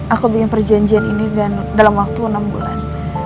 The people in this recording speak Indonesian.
aku bikin perjanjian ini dalam waktu enam bulan